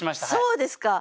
そうですか。